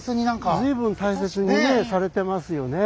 随分大切にねされてますよね。